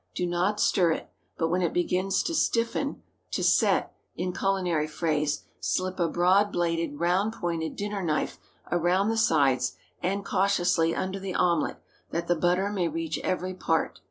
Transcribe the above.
Do not stir it, but when it begins to stiffen—"to set," in culinary phrase, slip a broad bladed, round pointed dinner knife around the sides, and cautiously under the omelet, that the butter may reach every part.